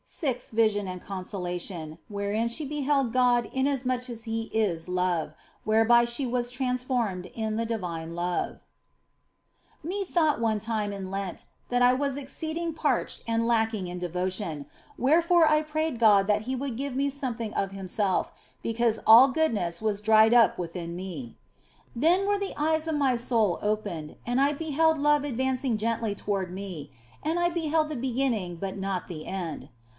SIXTH VISION AND CONSOLATION, WHEREIN SHE BEHELD GOD INASMUCH AS HE IS LOVE, WHEREBY SHE WAS TRANSFORMED IN THE DIVINE LOVE METHOUGHT one time in Lent that I was exceeding parched and lacking in devotion, wherefore I prayed God that He would give me something of Himself, because all goodness was dried up within me. Then were the eyes of my soul opened and I beheld love advancing gently toward me, and I beheld the beginning but not the end.